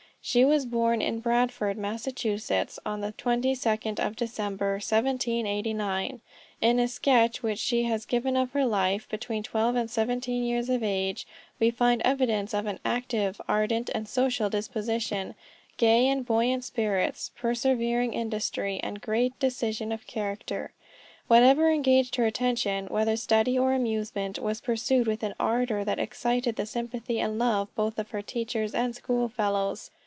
She was born in Bradford, Massachusetts, on the 22d of December, 1789. In a sketch which she has given of her life, between twelve and seventeen years of age, we find evidence of an active, ardent, and social disposition, gay and buoyant spirits, persevering industry, and great decision of character. Whatever engaged her attention, whether study or amusement, was pursued with an ardor that excited the sympathy and love both of her teachers and schoolfellows.